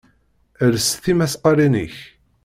Els tismaqalin-ik!